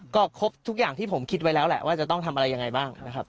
ก็ครบทุกอย่างที่ผมคิดไว้แล้วแหละว่าจะต้องทำอะไรยังไงบ้างนะครับ